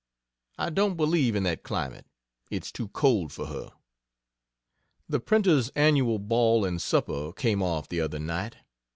I don't believe in that climate it's too cold for her. The printers' annual ball and supper came off the other night.